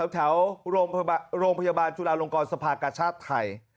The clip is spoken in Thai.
แถวโรงพยาบาลจุฬาลงกรสภากชาติไทย